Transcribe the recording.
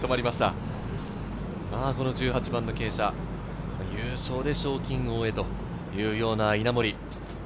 １８番の傾斜、優勝で賞金王へというような稲森。